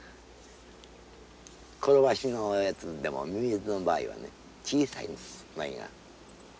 コロバシのやつでもミミズの場合はね小さいんですウナギが。